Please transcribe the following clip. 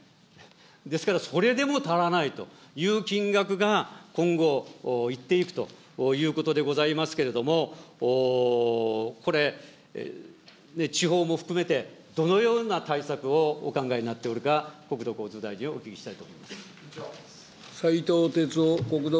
ですからそれでも足らないという金額が今後、いっていくということでございますけれども、これ、地方も含めて、どのような対策をお考えになっておるか、国土交通大臣にお聞きしたいと思います。